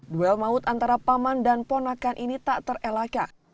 duel maut antara paman dan ponakan ini tak terelakkan